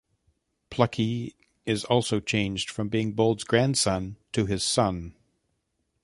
Plucky is also changed from being Bold's grandson to his son.